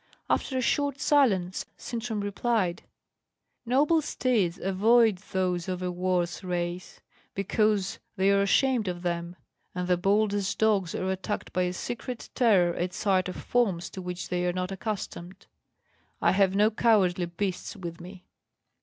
After a short silence, Sintram replied: "Noble steeds avoid those of a worse race, because they are ashamed of them; and the boldest dogs are attacked by a secret terror at sight of forms to which they are not accustomed. I have no cowardly beasts with me."